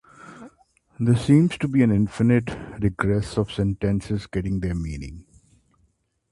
There seems to be an infinite regress of sentences getting their meaning.